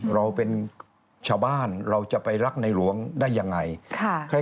เราเป็นชาวบ้านเราจะไปรักในหลวงได้อย่างไร